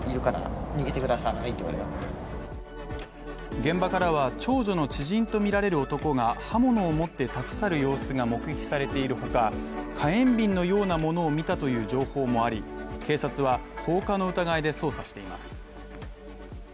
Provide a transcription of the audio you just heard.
現場からは長女の知人とみられる男が刃物を持って立ち去る様子が目撃されているほか、火炎瓶のようなものを見たという情報もあり、警察は放火の疑いで捜査しています。